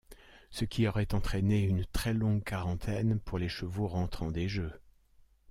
Ce qui aurait entrainé une très longue quarantaine pour les chevaux rentrant des jeux.